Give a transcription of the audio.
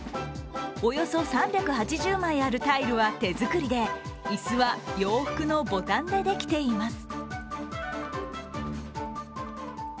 およそ３８０枚あるタイルは手作りで椅子は洋服のボタンでできています。